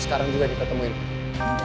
sekarang juga diketemuin